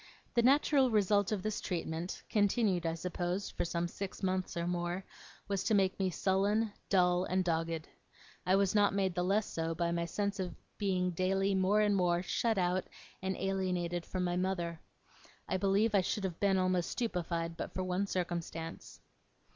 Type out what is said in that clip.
The natural result of this treatment, continued, I suppose, for some six months or more, was to make me sullen, dull, and dogged. I was not made the less so by my sense of being daily more and more shut out and alienated from my mother. I believe I should have been almost stupefied but for one circumstance.